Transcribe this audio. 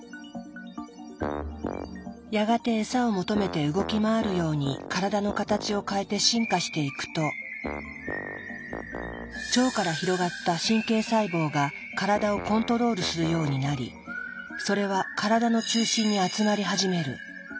やがてエサを求めて動き回るように体の形を変えて進化していくと腸から広がった神経細胞が体をコントロールするようになりそれは体の中心に集まり始める。